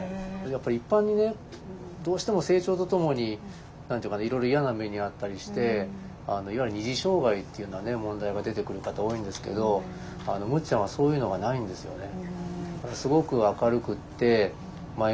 やっぱり一般にねどうしても成長とともに何て言うかないろいろ嫌な目に遭ったりしていわゆる二次障害っていうような問題が出てくる方多いんですけどむっちゃんはそういうのがないんですよね。